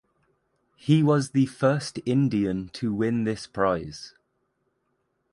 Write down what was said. He was the first Indian to win this prize.